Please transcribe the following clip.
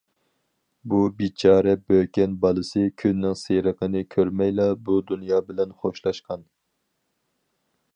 بۇ بىچارە بۆكەن بالىسى كۈننىڭ سېرىقىنى كۆرمەيلا بۇ دۇنيا بىلەن خوشلاشقان.